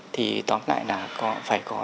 thì tóm lại là phải có